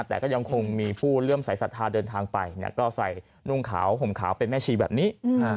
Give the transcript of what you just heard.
แต่ก็ยังคงมีผู้เลื่อมสายศรัทธาเดินทางไปก็ใส่นุ่งขาวห่มขาวเป็นแม่ชีแบบนี้